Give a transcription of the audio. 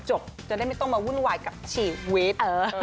จะได้ไม่ต้องมาวุ่นวายกับชีวิต